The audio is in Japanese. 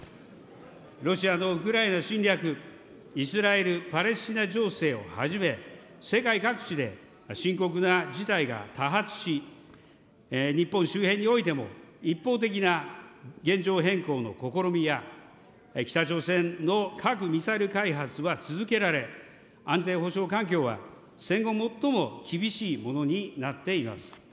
ロシアのウクライナ侵略、イスラエル・パレスチナ情勢をはじめ、世界各地で深刻な事態が多発し、日本周辺においても、一方的な現状変更の試みや、北朝鮮の核・ミサイル開発は続けられ、安全保障環境は戦後最も厳しいものになっています。